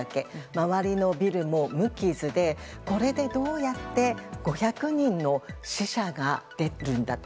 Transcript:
周りのビルも無傷でこれでどうやって５００人の死者が出るんだと。